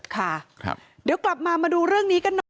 ค่ะเดี๋ยวกลับมามาดูเรื่องนี้กันหน่อย